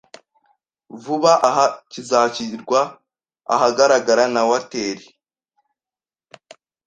vuba aha kizashyirwa ahagaragara na Wateri